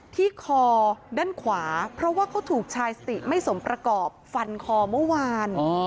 ที่คอด้านขวาเพราะว่าเขาถูกชายสติไม่สมประกอบฟันคอเมื่อวาน